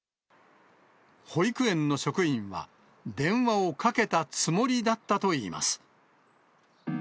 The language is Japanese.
保育園の職員は、電話をかけたつもりだったといいます。